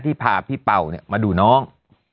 พาพี่เป่ามาดูน้อง